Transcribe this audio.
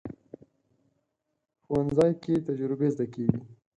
ښوونځی کې تجربې زده کېږي